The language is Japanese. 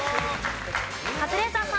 カズレーザーさん。